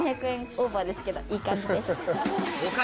オーバーですけどいい感じです。